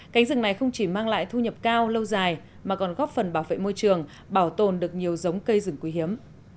cánh rừng này không chỉ mang lại thu nhập cao lâu dài mà còn góp phần bảo vệ môi trường bảo tồn được nhiều giống cây rừng quý hiếm